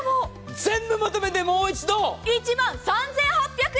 全部まとめて１万３８００円！